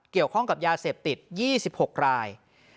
เกี่ยวข้องกับยาเสพติด๒๖ราย